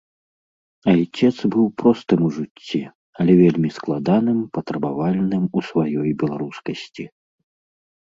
Айцец быў простым у жыцці, але вельмі складаным, патрабавальным у сваёй беларускасці.